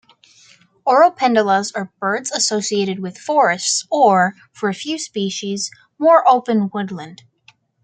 Oropendolas are birds associated with forests or, for a few species, more open woodland.